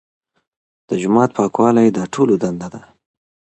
د جومات پاکوالی د ټولو دنده ده.